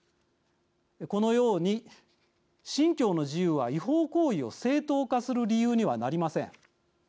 このように、信教の自由は違法行為を正当化する理由にはなりません。